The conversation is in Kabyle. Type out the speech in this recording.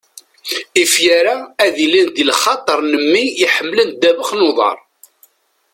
ifyar-a ad ilint di lxaṭer n mmi iḥemmlen ddabex n uḍar.